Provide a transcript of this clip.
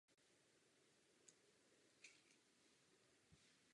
Prameny uvádějí jako zakladatele pány z Boskovic.